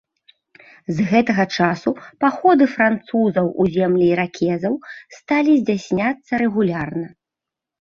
З гэтага часу паходы французаў у землі іракезаў сталі здзяйсняцца рэгулярна.